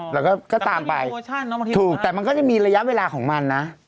แล้วก็ตามไปถูกแต่มันก็จะมีระยะเวลาของมันนะ